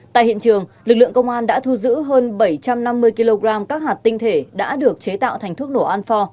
tại hiện trường lực lượng công an đã thu giữ hơn bảy trăm năm mươi kg các hạt tinh thể đã được chế tạo thành thuốc nổ anfor